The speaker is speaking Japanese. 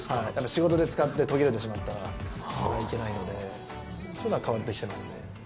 仕事で使って途切れてしまったらいけないのでそういうのは変わってきてますね。